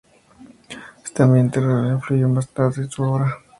Este ambiente rural influyó más tarde en su obra.